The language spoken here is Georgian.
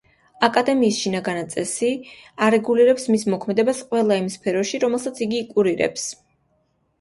აკადემიის შინაგანაწესი არეგულირებს მის მოქმედებას ყველა იმ სფეროში, რომელსაც იგი კურირებს.